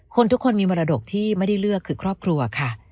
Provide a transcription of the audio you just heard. คนทุกคนมีมรดกที่ไม่ได้เลือกคือครอบครัวค่ะ